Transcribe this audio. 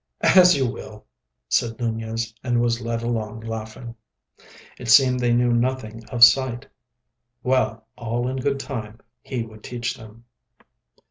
"As you will," said Nunez, and was led along laughing. It seemed they knew nothing of sight. Well, all in good time he would teach them.